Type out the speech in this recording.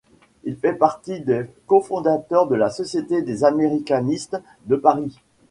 Il fait partie des cofondateurs de la Société des américanistes de Paris.